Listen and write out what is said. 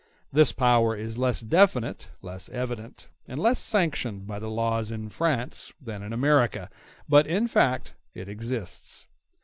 This power is less definite, less evident, and less sanctioned by the laws in France than in America, but in fact it exists.